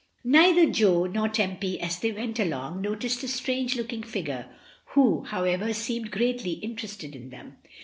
Neither Jo norTempy as they went along noticed a strange looking figure, who, however, seemed greatly interested in them.